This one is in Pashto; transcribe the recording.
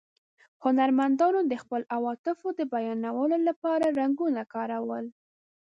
هنرمندانو د خپلو عواطفو د بیانولو له پاره رنګونه کارول.